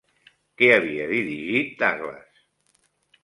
Què havia dirigit Douglas?